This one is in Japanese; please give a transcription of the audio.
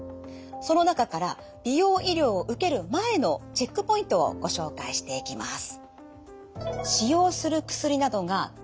その中から美容医療を受ける前のチェックポイントをご紹介していきます。